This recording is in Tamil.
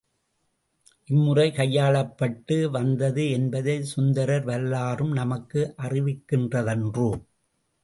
இம்முறை கையாளப்பட்டு வந்தது என்பதைச் சுந்தரர் வரலாறும் நமக்கு அறிவிக்கின்றதன்றோ!